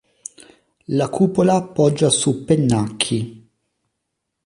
La cupola poggia su pennacchi.